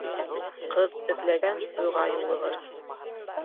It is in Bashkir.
Ҡыҙ эҙләгән туйға юлығыр.